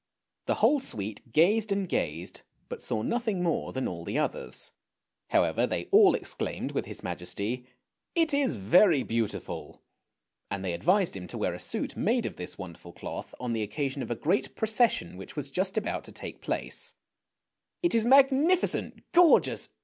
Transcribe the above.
THE EMPEROR'S NEW CLOTHES 221 The whole suite gazed and gazed, but saw nothing more than all the others. However, they all exclaimed with his Majesty, " It is very beautiful! " and they advised him to wear a suit made of this wonderful cloth on the occasion of a great procession which was just about to take place. " It is magnifi cent! gorgeous!"